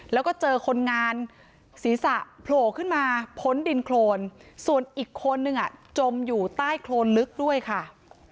แล้วก็เจอคนงานศีรษะโผล่ขึ้นมาพ้นดินโครนส่วนอีกคนนึงจมอยู่ใต้โครนลึกด้วยค่ะ